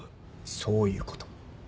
そういうこと。